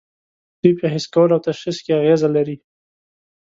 دوی په حس کولو او تشخیص کې اغیزه لري.